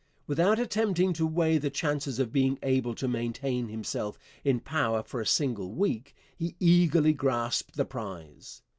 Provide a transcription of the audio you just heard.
Without attempting to weigh the chances of being able to maintain himself in power for a single week, he eagerly grasped the prize.